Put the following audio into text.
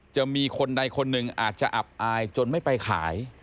จะมีคนใดคนหนึ่งอาจจะอับอายจนไม่ไปขาย